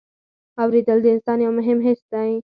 اورېدل د انسان یو مهم حس دی.